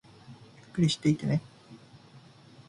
ゆっくりしていってねー